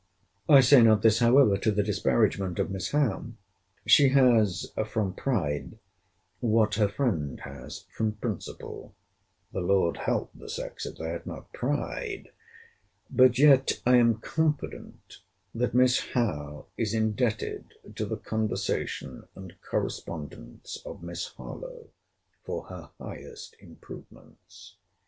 I say not this, however, to the disparagement of Miss Howe. She has from pride, what her friend has from principle. [The Lord help the sex, if they had not pride!] But yet I am confident, that Miss Howe is indebted to the conversation and correspondence of Miss Harlowe for her highest improvements.